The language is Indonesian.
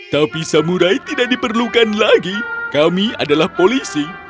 tapi samurai tidak diperlukan lagi kami adalah polisi